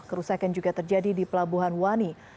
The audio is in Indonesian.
kerusakan juga terjadi di pelabuhan wani